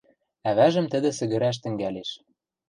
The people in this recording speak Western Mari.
Ӓвӓжӹм тӹдӹ сӹгӹрӓш тӹнгӓлеш.